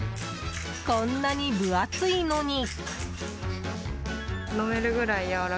こんなに分厚いのに。